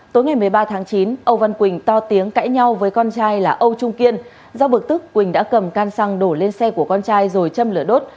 tối ngày một mươi ba tháng chín âu văn quỳnh to tiếng cãi nhau với con trai là âu trung kiên do bực tức quỳnh đã cầm can xăng đổ lên xe của con trai rồi châm lửa đốt